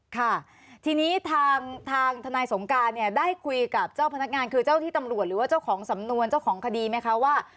ค่ะทีนี้ทางทนายสงการเนี่ยได้คุยกับเจ้าพนักงานคือเจ้าที่ตำรวจหรือว่าเจ้าของสำนวนเจ้าของคดีไหมคะว่า